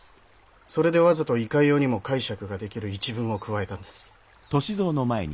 それでわざといかようにも解釈ができる一文を加えたんです。